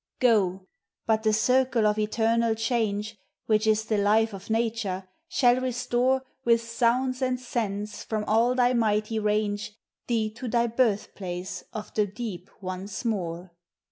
Go, — but the circle of eternal change, Which is the life of nature, shall restore, With sounds and scents from all thy mighty range, Thee to thy birthplace of the deep once more.